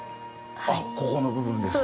あっここの部分ですか。